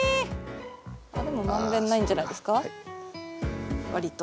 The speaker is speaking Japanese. でも満遍ないんじゃないですか割と。